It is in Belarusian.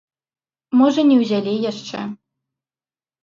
Можа, не ўзялі яшчэ.